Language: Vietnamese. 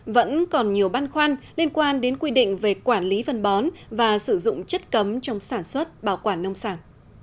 vẫn còn nhiều băn khoăn liên quan đến quy định về quản lý vân bón và sử dụng chất cấm trong sản xuất bảo quản nông sản